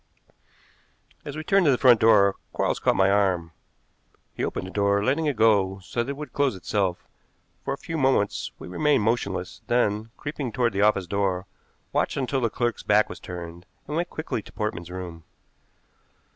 As we turned to the front door Quarles caught my arm. He opened the door, letting it go so that it would close itself. For a few moments we remained motionless, then, creeping toward the office door, watched until the clerk's back was turned, and went quickly to Portman's room.